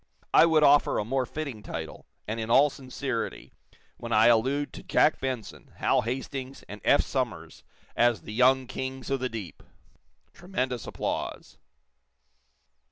I would offer a more fitting title and in all sincerity when I allude to Jack Benson, Hal Hastings and Eph Somers as the Young Kings of the Deep!" (Tremendous applause.)